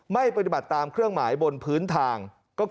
ไม่ปฏิบัติตามเครื่องหมายบนพื้นทาง